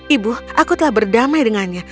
ibu aku telah berdamai dengannya